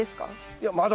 いやまだ。